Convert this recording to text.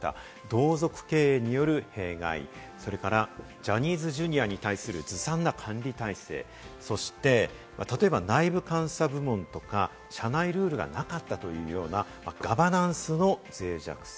同族経営による弊害、それからジャニーズＪｒ．に対するずさんな管理体制、そして、例えば内部監査部門とか、社内ルールがなかったというような、ガバナンスの脆弱性。